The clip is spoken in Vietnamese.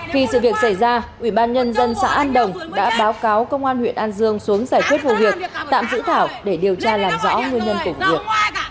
khi sự việc xảy ra ubnd xã an đồng đã báo cáo công an huyện an dương xuống giải quyết vụ việc tạm giữ thảo để điều tra làm rõ nguyên nhân của vụ việc